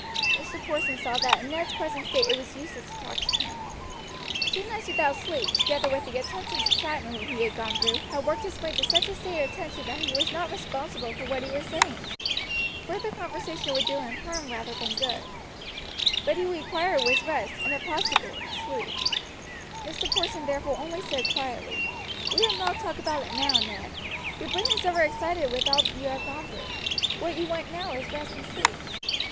Mr. Porson saw that in Ned's present state it was useless to talk to him. Two nights without sleep, together with the intense excitement he had gone through, had worked his brain to such a state of tension that he was not responsible for what he was saying. Further conversation would do him harm rather than good. What he required was rest and, if possible, sleep. Mr. Porson therefore only said quietly: "We will not talk about it now, Ned; your brain is over excited with all you have gone through. What you want now is rest and sleep."